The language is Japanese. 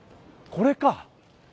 これか！